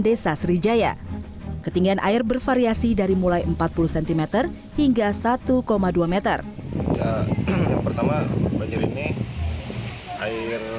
desa sriwijaya ketinggian air bervariasi dari mulai empat puluh cm hingga satu dua meter yang pertama banjir ini air